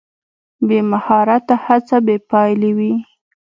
بې مهارته هڅه بې پایلې وي.